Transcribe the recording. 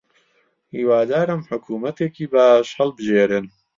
هیوادارم حکوومەتێکی باش هەڵبژێرن.